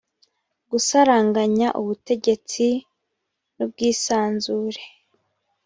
gusaranganya ubutegetsi n’ubwisanzure